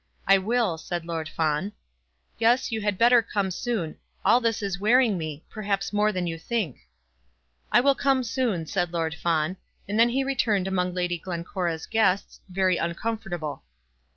"I will," said Lord Fawn. "Yes; you had better come soon. All this is wearing me, perhaps more than you think." "I will come soon," said Lord Fawn, and then he returned among Lady Glencora's guests, very uncomfortable.